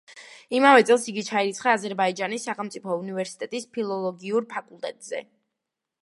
იმავე წელს იგი ჩაირიცხა აზერბაიჯანის სახელმწიფო უნივერსიტეტის ფილოლოგიურ ფაკულტეტზე.